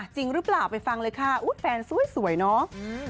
จริงหรือเปล่าไปฟังเลยค่ะอุ๊ยแฟนสวยเนาะ